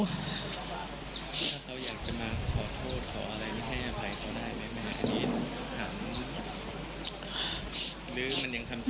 ถ้าเราอยากจะมาขอโทษขออะไรไม่ให้อภัยเขาได้ไหมครับ